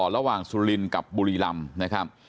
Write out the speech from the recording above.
ระหว่างสุลินกับบุรีลำ